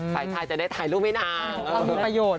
ไฟไทจะได้ถ่ายรูปให้นาง